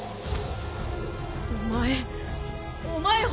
お前。